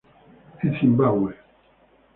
En Zimbabwe